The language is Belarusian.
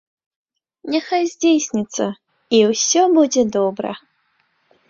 Няхай здзейсніцца, і ўсё будзе добра.